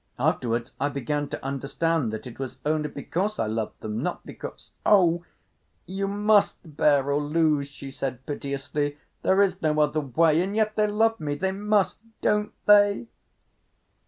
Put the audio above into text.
Afterwards, I began to understand that it was only because I loved them, not because——… Oh, you must bear or lose," she said piteously. "There is no other way—and yet they love me. They must! Don't they?"